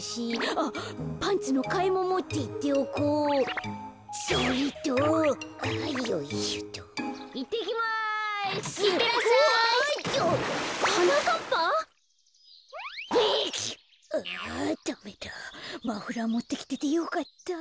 ああダメだマフラーもってきててよかった。